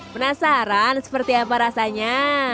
penasaran seperti apa rasanya